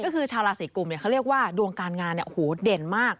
ก็คือชาวราศีกุมเนี่ยเขาเรียกว่าดวงการงานเนี่ยโหเด่นมาก